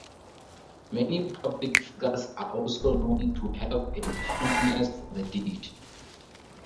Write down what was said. Many public figures are also known to have a fondness for the dish.